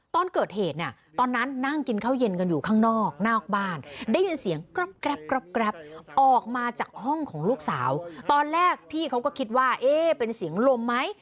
ตอนแรกที่เขาก็คิดว่าเอ๊ะเป็นเสียงลมไหม